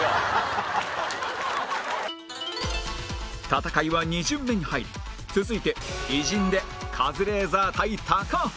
戦いは２巡目に入り続いて偉人でカズレーザー対高畑